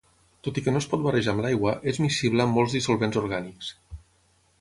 Tot i que no es pot barrejar amb l'aigua, és miscible amb molts dissolvents orgànics.